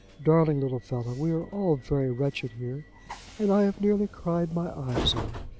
Darling little fellow. We are all very wretched here, and I have nearly cried my eyes out.